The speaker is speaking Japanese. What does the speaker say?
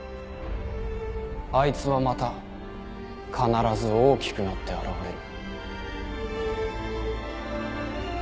あいつはまた必ず大きくなって現れる。